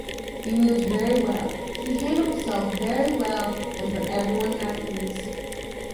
He moved very well, he handled himself very well and put everyone at ease.